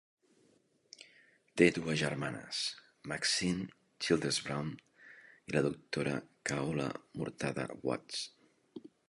Té dues germanes, Maxine Childress Brown i la doctora Khaula Murtadha Watts.